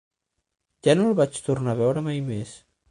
Ja no el vaig tornar a veure mai més.